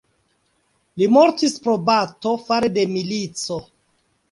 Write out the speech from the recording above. Li mortis pro bato fare de milico.